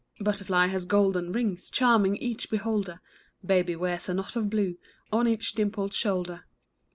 Butterfly has golden rings. Charming each beholder ; Baby wears a knot of blue On each dimpled shoulder.